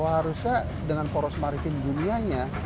harusnya dengan poros maritim dunianya